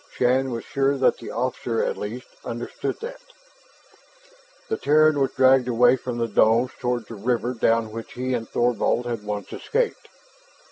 Shann was sure that the officer, at least, understood that. The Terran was dragged away from the domes toward the river down which he and Thorvald had once escaped.